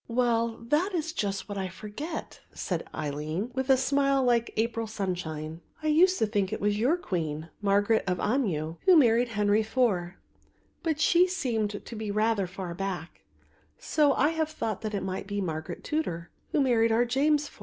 "Well, that is just what I forget," said Aline with a smile like April sunshine; "I used to think it was your queen, Margaret of Anjou, who married Henry IV; but she seems to be rather far back, so I have thought it might be Margaret Tudor, who married our James IV.